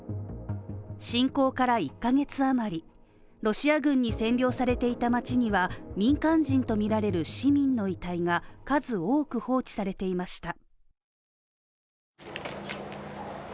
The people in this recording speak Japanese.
侵攻から１カ月あまり、ロシア軍に占領されていた街には民間人とみられる市民の遺体が数多く放置されていました。